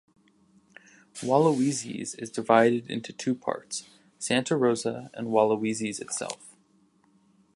Hualahuises is divided into two parts: Santa Rosa and Hualahuises itself.